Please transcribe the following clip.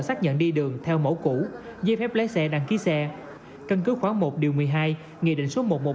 xác nhận đi đường theo mẫu cũ dây phép lái xe đăng ký xe cân cứ khoá một điều một mươi hai nghị định số